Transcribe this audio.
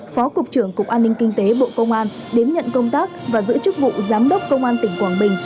phó cục trưởng cục an ninh kinh tế bộ công an đến nhận công tác và giữ chức vụ giám đốc công an tỉnh quảng bình